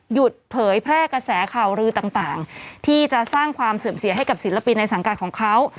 เผยแพร่กระแสข่าวลือต่างที่จะสร้างความเสื่อมเสียให้กับศิลปินในสังกัดของเขา